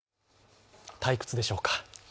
退屈でしょうか。